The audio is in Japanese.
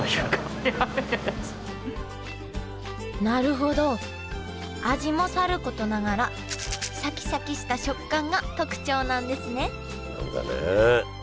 なるほど味もさることながらシャキシャキした食感が特徴なんですね